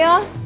udah gak bisa